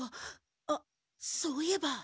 あっそういえば。